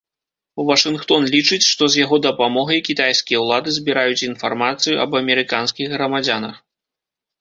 Вашынгтон лічыць, што з яго дапамогай кітайскія ўлады збіраюць інфармацыю аб амерыканскіх грамадзянах.